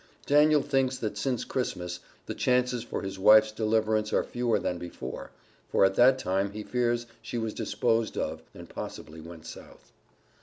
Daniel thinks that since Christmas, the chances for his wife's deliverance are fewer than before, for at that time he fears she was disposed of and possibly went South.